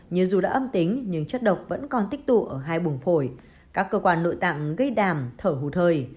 nhưng dù đã âm tính nhưng chất độc vẫn còn tích tụ ở hai bùng phổi các cơ quan nội tạng gây đàm thở hồ thời